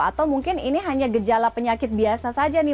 atau mungkin ini hanya gejala penyakit biasa saja nih